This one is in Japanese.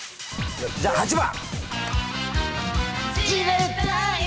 じゃあ８番。